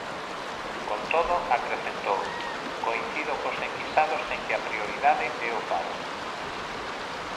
Con todo, acrecentou: "coincido cos enquisados en que a prioridade é o paro".